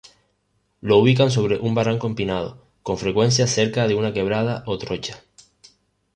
Lo ubican sobre un barranco empinado, con frecuencia cerca de una quebrada o trocha.